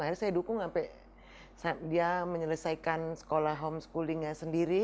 akhirnya saya dukung sampai dia menyelesaikan sekolah homeschoolingnya sendiri